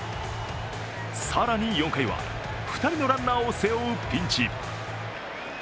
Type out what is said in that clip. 更に４回は２人のランナーを背負うピンチ。